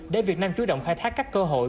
để việt nam chú động khai thác các cơ hội